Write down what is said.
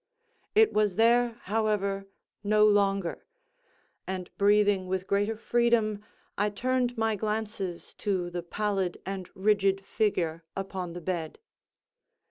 It was there, however, no longer; and breathing with greater freedom, I turned my glances to the pallid and rigid figure upon the bed.